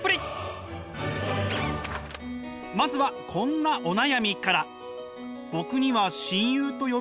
まずはこんなお悩みから。